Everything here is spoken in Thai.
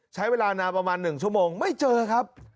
ใช้เวลานานประมาณ๑ชั่วโมงไม่เจอครับ